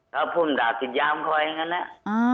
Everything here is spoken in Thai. ถ้าพูดด่าติดย่ามเขาอย่างนั้นแหละ